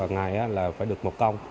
một ngày là phải được một công